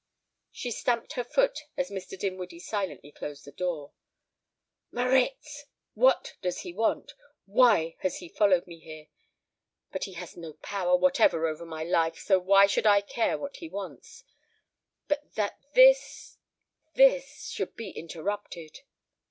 She stamped her foot as Mr. Dinwiddie silently closed the door. "Moritz! What does he want? Why has he followed me here? But he has no power whatever over my life, so why should I care what he wants? ... But that this this should be interrupted!"